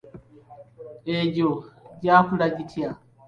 Egyo gyakula gitya?